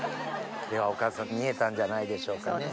では岡田さん煮えたんじゃないでしょうかね。